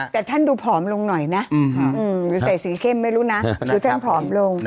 แต่ท่านดูผอมลงหน่อยนะหรือใส่สีเข้มไม่รู้นะหรือท่านผอมลง